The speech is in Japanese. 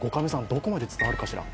どこまで伝わるかしら